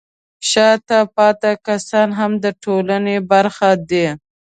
شاته پاتې کسان هم د ټولنې برخه دي.